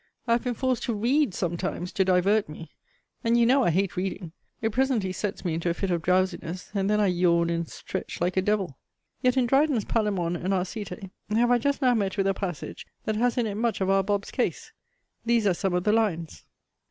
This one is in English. I have been forced to read sometimes to divert me; and you know I hate reading. It presently sets me into a fit of drowsiness; and then I yawn and stretch like a devil. Yet in Dryden's Palamon and Arcite have I just now met with a passage, that has in it much of our Bob.'s case. These are some of the lines.